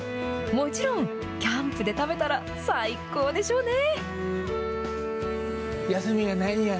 もちろん、キャンプで食べたら、最高でしょうね。